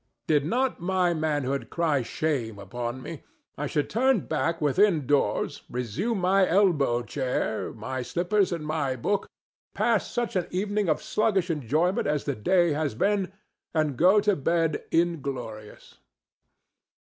Did not my manhood cry shame upon me, I should turn back within doors, resume my elbow chair, my slippers and my book, pass such an evening of sluggish enjoyment as the day has been, and go to bed inglorious.